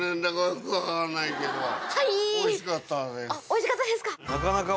おいしかったですか。